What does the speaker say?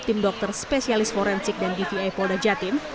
tim dokter spesialis forensik dan dvi polda jatim